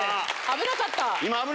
危なかった。